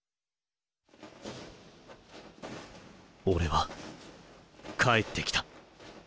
俺は帰ってきた。